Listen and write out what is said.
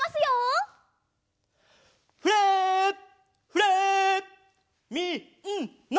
フレーフレーみんな！